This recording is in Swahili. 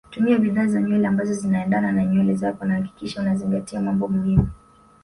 Tumia bidhaa za nywele ambazo zinaendana na nywele zako na hakikisha unazingatia mambo muhimu